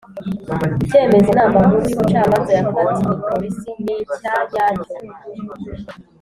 Icyemezo Inama Nkuru y Ubucamanza yafatiye polisi ni icya nyacyo